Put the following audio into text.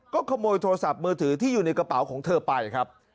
ก็ขโมยโทรศัพท์มือถือที่อยู่ในกระเป๋าของเธอไปครับ